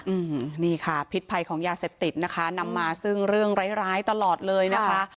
อืมนี่ค่ะพิษภัยของยาเสพติดนะคะนำมาซึ่งเรื่องร้ายร้ายตลอดเลยนะคะ